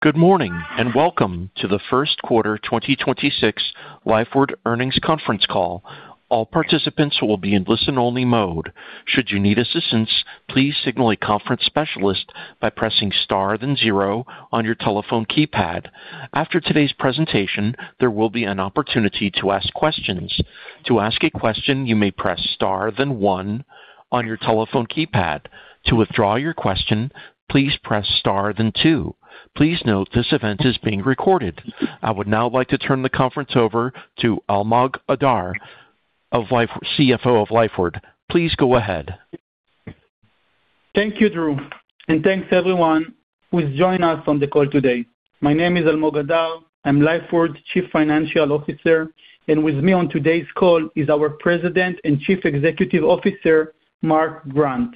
Good morning, welcome to the first quarter 2026 Lifeward earnings conference call. All participants will be in listen-only mode. Should you need assistance, please signal a conference specialist by pressing star then zero on your telephone keypad. After today's presentation, there will be an opportunity to ask questions. To ask a question, you may press star then one on your telephone keypad. To withdraw your question, please press star then two. Please note this event is being recorded. I would now like to turn the conference over to Almog Adar of Lifeward, CFO of Lifeward. Please go ahead. Thank you, Drew, and thanks everyone who has joined us on the call today. My name is Almog Adar. I am Lifeward's Chief Financial Officer, and with me on today's call is our President and Chief Executive Officer, Mark Grant.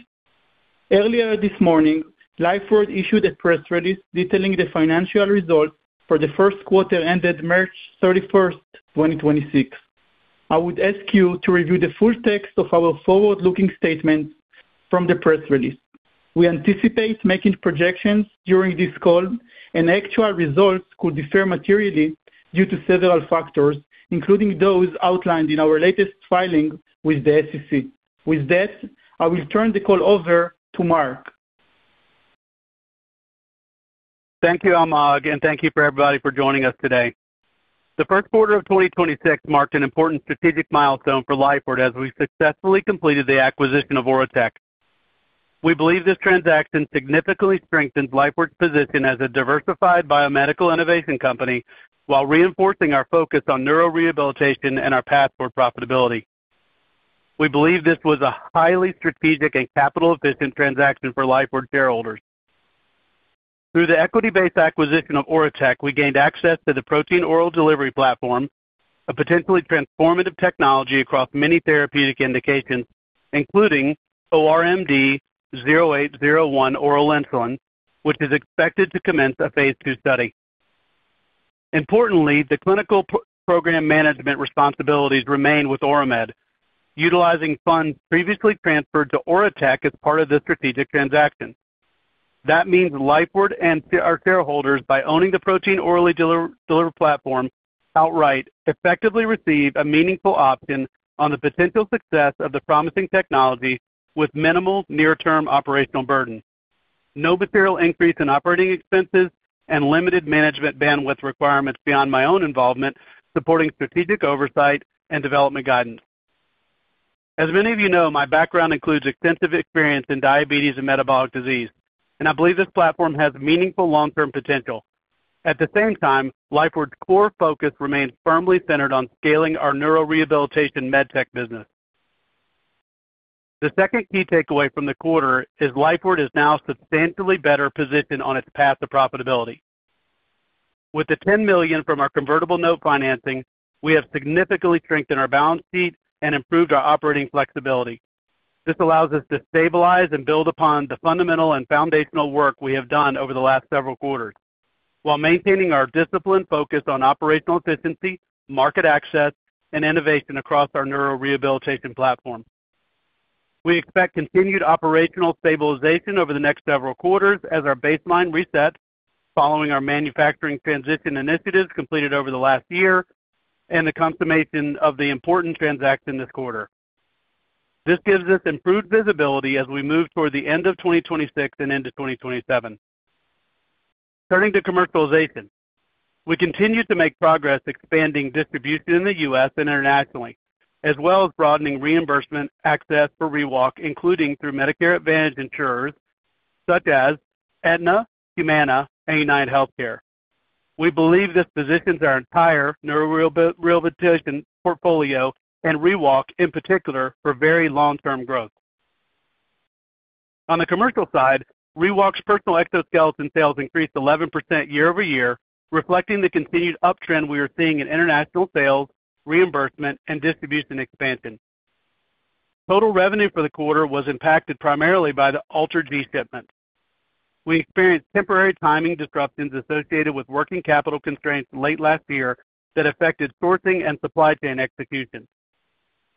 Earlier this morning, Lifeward issued a press release detailing the financial results for the 1st quarter ended March 31st, 2026. I would ask you to review the full text of our forward-looking statement from the press release. We anticipate making projections during this call, and actual results could differ materially due to several factors, including those outlined in our latest filings with the SEC. With that, I will turn the call over to Mark. Thank you, Almog, and thank you for everybody for joining us today. The first quarter of 2026 marked an important strategic milestone for Lifeward as we successfully completed the acquisition of Oratech. We believe this transaction significantly strengthens Lifeward's position as a diversified biomedical innovation company while reinforcing our focus on neurorehabilitation and our path for profitability. We believe this was a highly strategic and capital-efficient transaction for Lifeward shareholders. Through the equity-based acquisition of Oratech, we gained access to the protein oral delivery platform, a potentially transformative technology across many therapeutic indications, including ORMD-0801 oral insulin, which is expected to commence a phase II study. Importantly, the clinical program management responsibilities remain with Oramed, utilizing funds previously transferred to Oratech as part of the strategic transaction. That means Lifeward and our shareholders, by owning the protein oral delivery platform outright, effectively receive a meaningful option on the potential success of the promising technology with minimal near-term operational burden, no material increase in operating expenses, and limited management bandwidth requirements beyond my own involvement, supporting strategic oversight and development guidance. As many of you know, my background includes extensive experience in diabetes and metabolic disease, I believe this platform has meaningful long-term potential. At the same time, Lifeward's core focus remains firmly centered on scaling our neurorehabilitation med tech business. The second key takeaway from the quarter is Lifeward is now substantially better positioned on its path to profitability. With the $10 million from our convertible note financing, we have significantly strengthened our balance sheet and improved our operating flexibility. This allows us to stabilize and build upon the fundamental and foundational work we have done over the last several quarters while maintaining our disciplined focus on operational efficiency, market access, and innovation across our neurorehabilitation platform. We expect continued operational stabilization over the next several quarters as our baseline resets following our manufacturing transition initiatives completed over the last year and the consummation of the important transaction this quarter. This gives us improved visibility as we move toward the end of 2026 and into 2027. Turning to commercialization. We continue to make progress expanding distribution in the U.S. and internationally, as well as broadening reimbursement access for ReWalk, including through Medicare Advantage insurers such as Aetna, Humana, and UnitedHealthcare. We believe this positions our entire neurorehabilitation portfolio, and ReWalk in particular, for very long-term growth. On the commercial side, ReWalk's personal exoskeleton sales increased 11% year-over-year, reflecting the continued uptrend we are seeing in international sales, reimbursement, and distribution expansion. Total revenue for the quarter was impacted primarily by the AlterG shipments. We experienced temporary timing disruptions associated with working capital constraints late last year that affected sourcing and supply chain execution.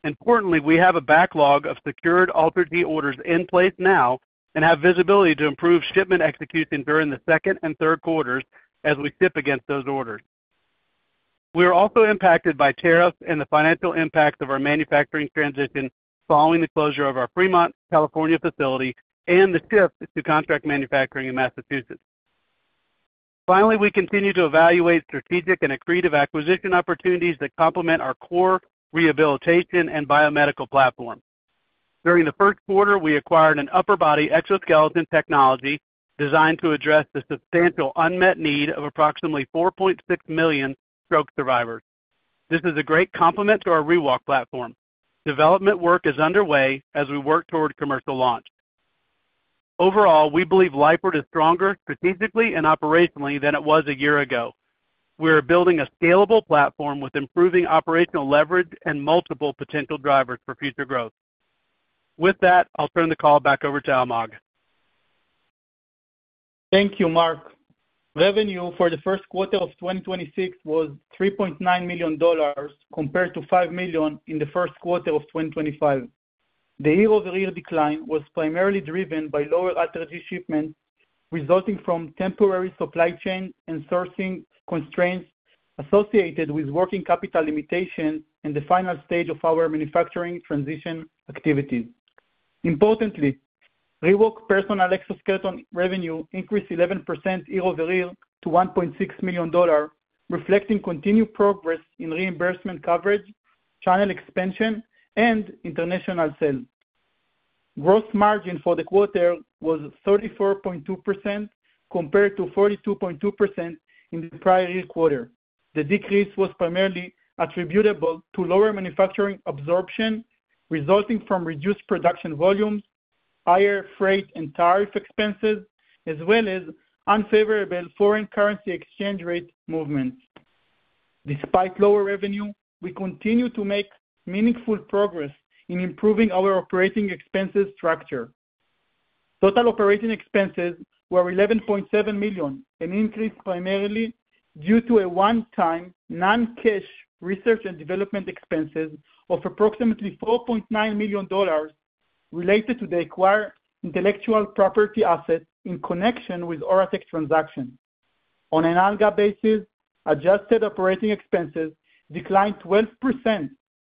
Importantly, we have a backlog of secured AlterG orders in place now and have visibility to improve shipment execution during the second and third quarters as we ship against those orders. We are also impacted by tariffs and the financial impacts of our manufacturing transition following the closure of our Fremont, California, facility and the shift to contract manufacturing in Massachusetts. Finally, we continue to evaluate strategic and accretive acquisition opportunities that complement our core rehabilitation and biomedical platform. During the first quarter, we acquired an upper body exoskeleton technology designed to address the substantial unmet need of approximately 4.6 million stroke survivors. This is a great complement to our ReWalk platform. Development work is underway as we work toward commercial launch. Overall, we believe Lifeward is stronger strategically and operationally than it was a year ago. We are building a scalable platform with improving operational leverage and multiple potential drivers for future growth. With that, I'll turn the call back over to Almog. Thank you, Mark. Revenue for the first quarter of 2026 was $3.9 million compared to $5 million in the first quarter of 2025. The year-over-year decline was primarily driven by lower AlterG shipments resulting from temporary supply chain and sourcing constraints associated with working capital limitations in the final stage of our manufacturing transition activities. Importantly, ReWalk personal exoskeleton revenue increased 11% year-over-year to $1.6 million, reflecting continued progress in reimbursement coverage, channel expansion, and international sales. Gross margin for the quarter was 34.2% compared to 42.2% in the prior year quarter. The decrease was primarily attributable to lower manufacturing absorption resulting from reduced production volumes, higher freight and tariff expenses, as well as unfavorable foreign currency exchange rate movements. Despite lower revenue, we continue to make meaningful progress in improving our operating expenses structure. Total operating expenses were $11.7 million, an increase primarily due to a one-time non-cash research and development expenses of approximately $4.9 million related to the acquired intellectual property assets in connection with Oratech transaction. On a non-GAAP basis, adjusted operating expenses declined 12%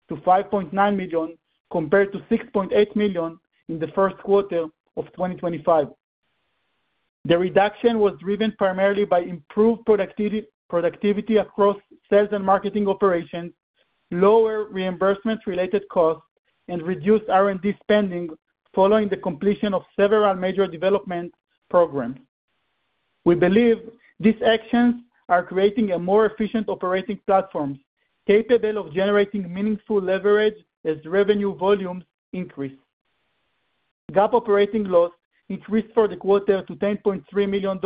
to $5.9 million, compared to $6.8 million in the first quarter of 2025. The reduction was driven primarily by improved productivity across sales and marketing operations, lower reimbursement-related costs, and reduced R&D spending following the completion of several major development programs. We believe these actions are creating a more efficient operating platform, capable of generating meaningful leverage as revenue volumes increase. GAAP operating loss increased for the quarter to $10.3 million,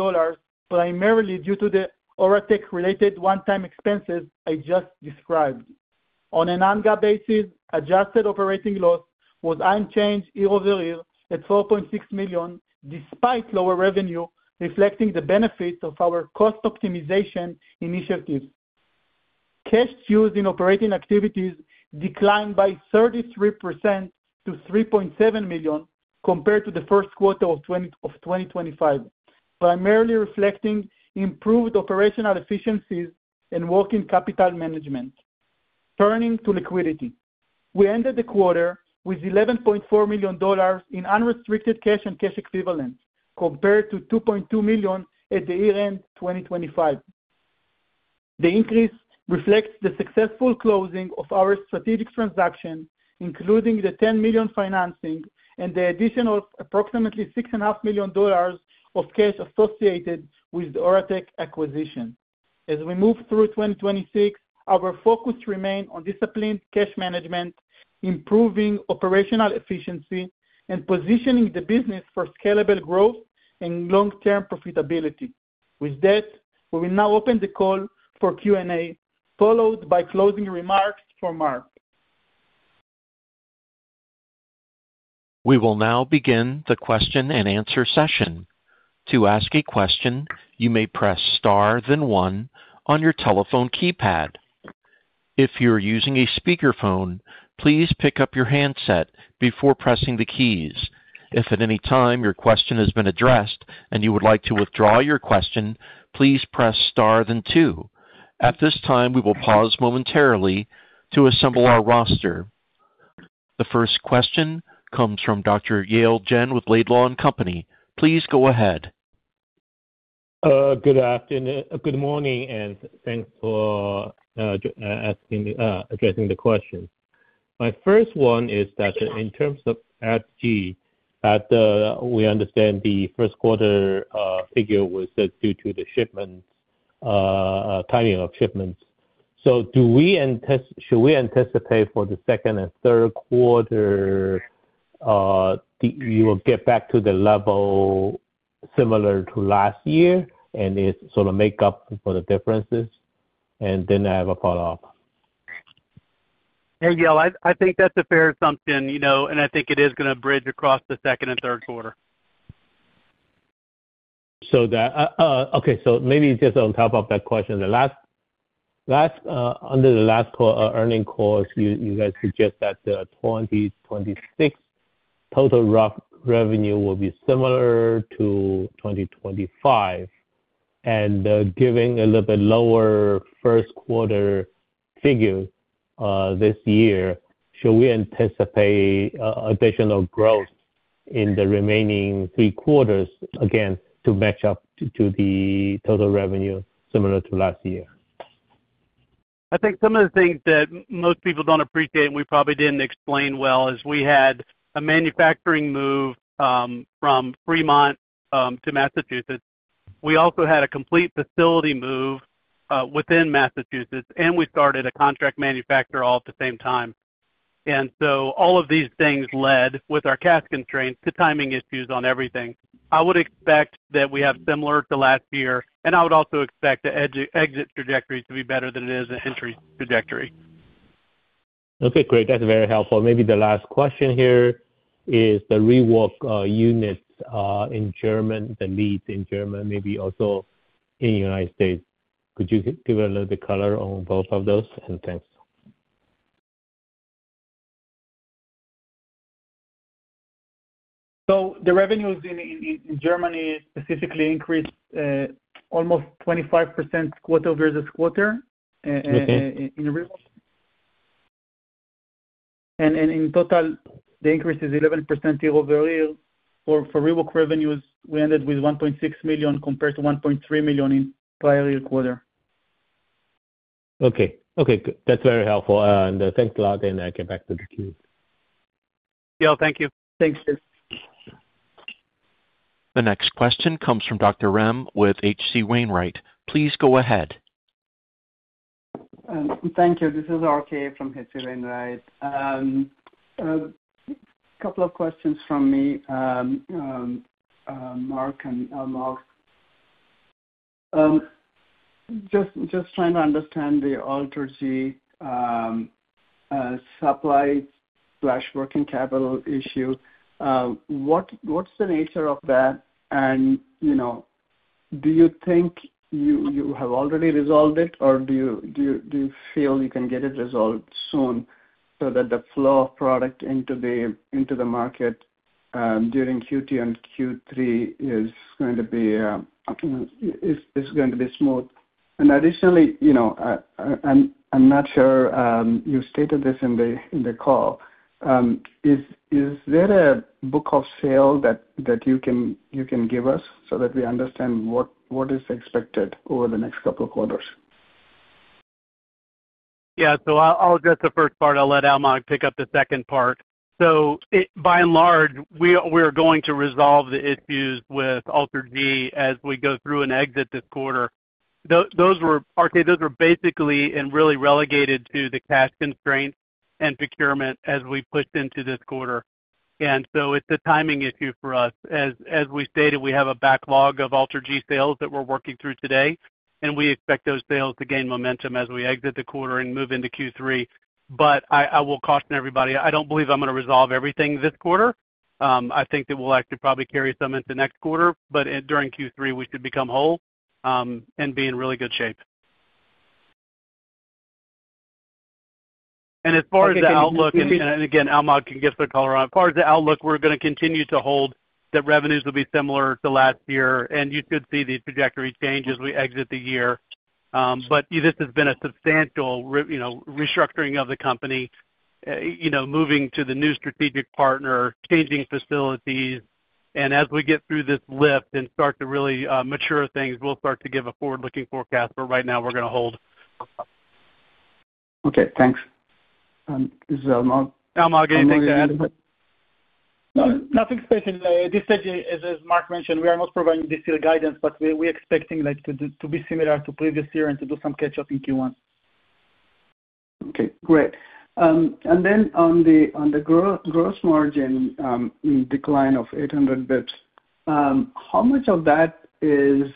primarily due to the Oratech-related one-time expenses I just described. On a non-GAAP basis, adjusted operating loss was unchanged year-over-year at $4.6 million, despite lower revenue, reflecting the benefits of our cost optimization initiatives. Cash used in operating activities declined by 33% to $3.7 million compared to the first quarter of 2025, primarily reflecting improved operational efficiencies and working capital management. Turning to liquidity, we ended the quarter with $11.4 million in unrestricted cash and cash equivalents, compared to $2.2 million at the year-end 2025. The increase reflects the successful closing of our strategic transaction, including the $10 million financing and the additional approximately six and a half million dollars of cash associated with the Oratech acquisition. As we move through 2026, our focus remain on disciplined cash management, improving operational efficiency, and positioning the business for scalable growth and long-term profitability. With that, we will now open the call for Q&A, followed by closing remarks from Mark. We will now begin the question-and-answer session. To ask a question, you may press star then one on your telephone keypad. If you're using a speakerphone, please pick up your handset before pressing the keys. If at any time your question has been addressed and you would like to withdraw your question, please press star then two. At this time, we will pause momentarily to assemble our roster. The first question comes from Dr. Yale Jen with Laidlaw & Company. Please go ahead. Good morning, thanks for addressing the question. My first one is in terms of AlterG, we understand the first quarter figure was just due to the shipment timing of shipments. Should we anticipate for the second and third quarter you will get back to the level similar to last year and it sort of make up for the differences? I have a follow-up. Hey, Yale. I think that's a fair assumption, you know, I think it is gonna bridge across the second and third quarter. Okay, maybe just on top of that question. The last earning calls, you guys suggest that the 2026 total revenue will be similar to 2025. Giving a little bit lower first quarter figure this year, should we anticipate additional growth in the remaining three quarters again to match up to the total revenue similar to last year? I think some of the things that most people don't appreciate, and we probably didn't explain well, is we had a manufacturing move from Fremont to Massachusetts. We also had a complete facility move within Massachusetts, and we started a contract manufacturer all at the same time. All of these things led, with our cash constraints, to timing issues on everything. I would expect that we have similar to last year, and I would also expect the exit trajectory to be better than it is an entry trajectory. Okay, great. That's very helpful. Maybe the last question here is the ReWalk units in Germany, the leads in Germany, maybe also in U.S. Could you give a little bit color on both of those? Thanks. The revenues in Germany specifically increased, almost 25% quarter over this quarter in ReWalk. In total, the increase is 11% year-over-year. For ReWalk revenues, we ended with $1.6 million compared to $1.3 million in prior year quarter. Okay. Okay, good. That's very helpful. Thanks a lot. I get back to the queue. Yeah, thank you. Thanks, Tim. The next question comes from Dr. Ram with H.C. Wainwright. Please go ahead. Thank you. This is RK from H.C. Wainwright. Couple of questions from me, Mark and Almog. Just trying to understand the AlterG supply/working capital issue. What's the nature of that? You know, do you think you have already resolved it, or do you feel you can get it resolved soon so that the flow of product into the market during Q2 and Q3 is going to be, you know, is going to be smooth? Additionally, you know, I'm not sure you stated this in the call, is there a book of sale that you can give us so that we understand what is expected over the next couple of quarters? Yeah. I'll address the first part. I'll let Almog pick up the second part. It by and large, we are going to resolve the issues with AlterG as we go through and exit this quarter. Those were RK, those were basically and really relegated to the cash constraint and procurement as we pushed into this quarter. It's a timing issue for us. As we stated, we have a backlog of AlterG sales that we're working through today, and we expect those sales to gain momentum as we exit the quarter and move into Q3. I will caution everybody, I don't believe I'm gonna resolve everything this quarter. I think that we'll actually probably carry some into next quarter, but during Q3, we should become whole and be in really good shape. As far as the outlook, again, Almog can give the color on. As far as the outlook, we're gonna continue to hold that revenues will be similar to last year, and you should see these trajectory changes as we exit the year. But this has been a substantial you know, restructuring of the company, you know, moving to the new strategic partner, changing facilities. As we get through this lift and start to really mature things, we'll start to give a forward-looking forecast, but right now we're gonna hold. Okay, thanks. This is Almog. Almog, anything to add? No, nothing specific. At this stage, as Mark mentioned, we are not providing this year guidance, but we expecting like to be similar to previous year and to do some catch-up in Q1. Great. On the gross margin decline of 800 basis points, how much of that is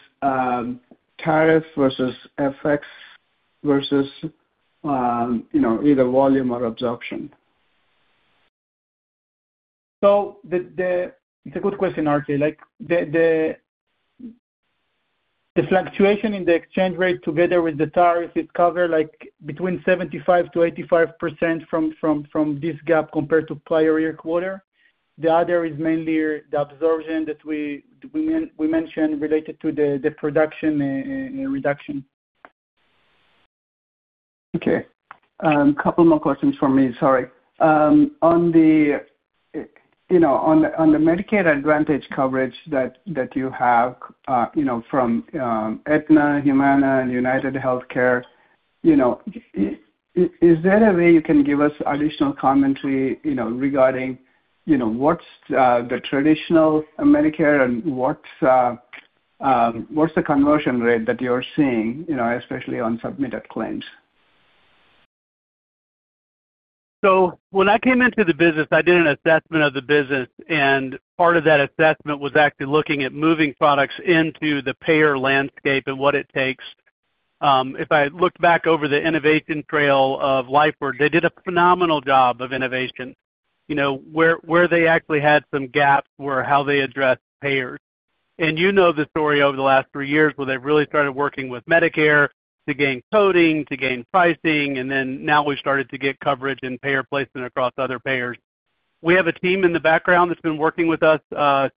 tariff versus FX versus, you know, either volume or absorption? It's a good question, RK. The fluctuation in the exchange rate together with the tariff, it cover between 75%-85% from this gap compared to prior year quarter. The other is mainly the absorption that we mentioned related to the production reduction. Okay. couple more questions from me. Sorry. on the, you know, on the, on the Medicare Advantage coverage that you have, you know, from, Aetna, Humana, and UnitedHealthcare, you know, is there a way you can give us additional commentary, you know, regarding, you know, what's the traditional Medicare and what's the conversion rate that you're seeing, you know, especially on submitted claims? When I came into the business, I did an assessment of the business, and part of that assessment was actually looking at moving products into the payer landscape and what it takes. If I look back over the innovation trail of Lifeward, they did a phenomenal job of innovation. You know, where they actually had some gaps were how they addressed payers. You know the story over the last three years where they've really started working with Medicare to gain coding, to gain pricing, and then now we've started to get coverage and payer placement across other payers. We have a team in the background that's been working with us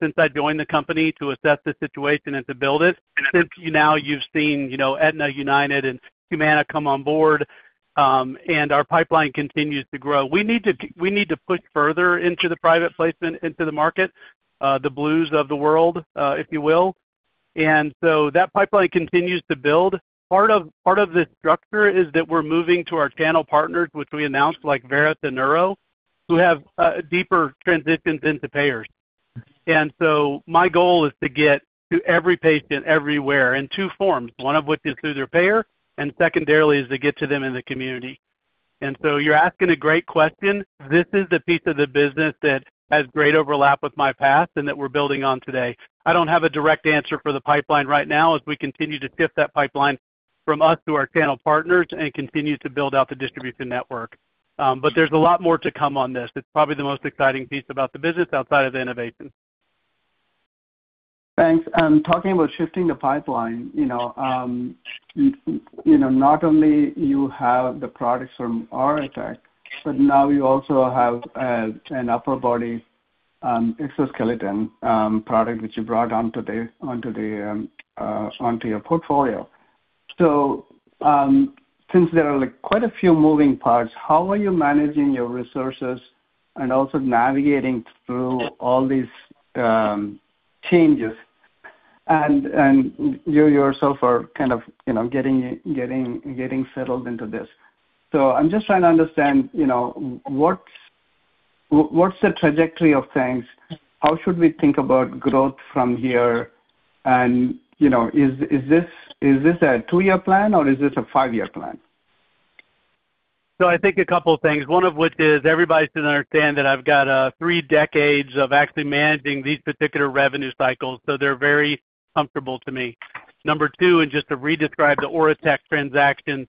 since I joined the company to assess the situation and to build it. Since you now you've seen, you know, Aetna, United, and Humana come on board, and our pipeline continues to grow. We need to push further into the private payers into the market, the Blues of the world, if you will. That pipeline continues to build. Part of the structure is that we're moving to our channel partners, which we announced, like Verita Neuro, who have deeper transitions into payers. My goal is to get to every patient everywhere in two forms, one of which is through their payer, and secondarily is to get to them in the community. You're asking a great question. This is the piece of the business that has great overlap with my past and that we're building on today. I don't have a direct answer for the pipeline right now as we continue to shift that pipeline from us to our channel partners and continue to build out the distribution network. There's a lot more to come on this. It's probably the most exciting piece about the business outside of the innovation. Thanks. Talking about shifting the pipeline, you know, not only you have the products from Oratech, but now you also have an upper body exoskeleton product, which you brought onto the portfolio. Since there are, like, quite a few moving parts, how are you managing your resources and also navigating through all these changes? You yourself are kind of, you know, getting settled into this. I'm just trying to understand, you know, what's the trajectory of things? How should we think about growth from here? You know, is this a two-year plan or is this a five-year plan? I think a couple things, one of which is everybody should understand that I've got three decades of actually managing these particular revenue cycles, so they're very comfortable to me. Number two, and just to redescribe the Oratech transaction,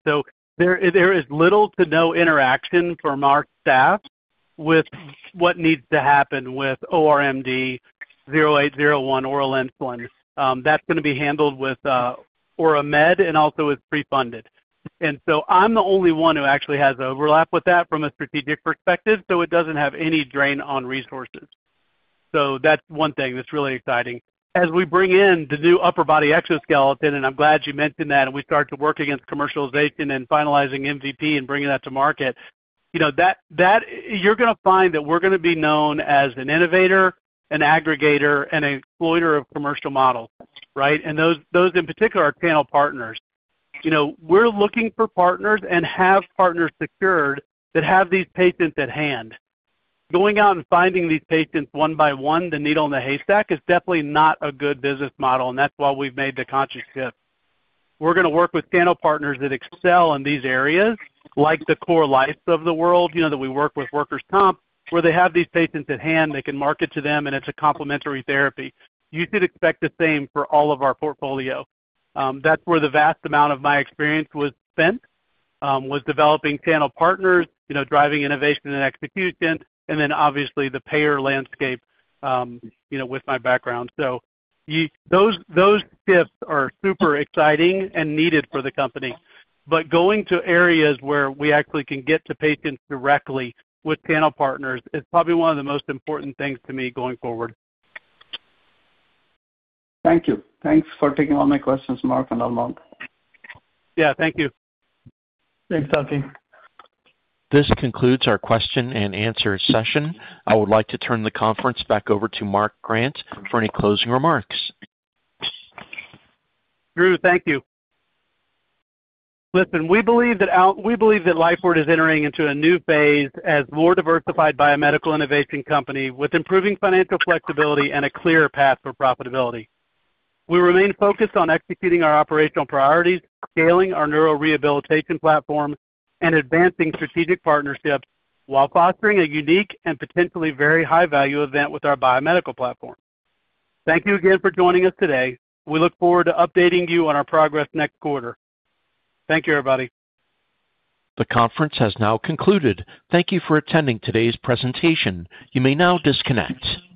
there is little to no interaction from our staff with what needs to happen with ORMD-0801 oral insulin. That's gonna be handled with Oramed and also is pre-funded. I'm the only one who actually has overlap with that from a strategic perspective, so it doesn't have any drain on resources. That's one thing that's really exciting. As we bring in the new upper body exoskeleton, and I'm glad you mentioned that, and we start to work against commercialization and finalizing MVP and bringing that to market. You know, that you're gonna find that we're gonna be known as an innovator, an aggregator, and an exploiter of commercial models, right? Those in particular are channel partners. You know, we're looking for partners and have partners secured that have these patients at hand. Going out and finding these patients one by one, the needle in the haystack, is definitely not a good business model, and that's why we've made the conscious shift. We're gonna work with channel partners that excel in these areas, like the CorLife's of the world, you know, that we work with workers' comp, where they have these patients at hand, they can market to them, and it's a complementary therapy. You should expect the same for all of our portfolio. That's where the vast amount of my experience was spent, was developing channel partners, you know, driving innovation and execution, and then obviously the payer landscape, you know, with my background. Those shifts are super exciting and needed for the company. Going to areas where we actually can get to patients directly with channel partners is probably one of the most important things to me going forward. Thank you. Thanks for taking all my questions, Mark and Almog. Yeah, thank you. Thanks, RK. This concludes our question and answer session. I would like to turn the conference back over to Mark Grant for any closing remarks. Drew, thank you. We believe that Lifeward is entering into a new phase as more diversified biomedical innovation company with improving financial flexibility and a clear path for profitability. We remain focused on executing our operational priorities, scaling our neurorehabilitation platform, and advancing strategic partnerships while fostering a unique and potentially very high-value event with our biomedical platform. Thank you again for joining us today. We look forward to updating you on our progress next quarter. Thank you, everybody. The conference has now concluded. Thank you for attending today's presentation. You may now disconnect.